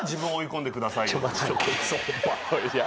「いや。